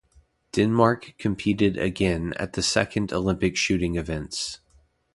Denmark competed again at the second Olympic shooting events.